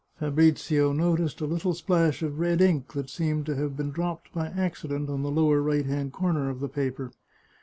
Fabrizio noticed a little splash of red ink that seemed to have been dropped by accident on the lower right hand corner of the paper.